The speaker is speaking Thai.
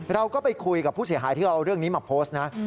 เราก็ไปคุยกับผู้เสียหายที่เราเอาเรื่องนี้มาโพสต์นะ